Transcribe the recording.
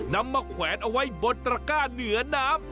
นำมาแขวนเอาไว้บนตระก้าเหนือน้ำ